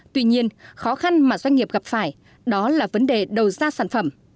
tuy nhiên khó khăn mà doanh nghiệp gặp phải đó là vấn đề đầu ra sản phẩm